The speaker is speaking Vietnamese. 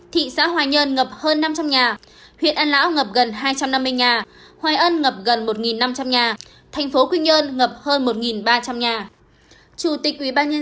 thị xã hoài nhơn ngập hơn năm trăm linh nhà